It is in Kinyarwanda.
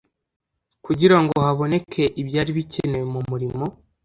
kugira ngo haboneke ibyari bikenewe mu murimo